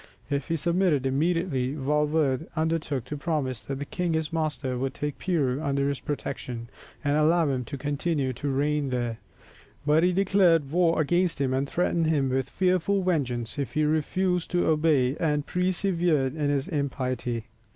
If he submitted immediately, Valverde undertook to promise that the king his master would take Peru under his protection, and allow him to continue to reign there; but he declared war against him and threatened him with fearful vengeance if he refused to obey, and persevered in his impiety.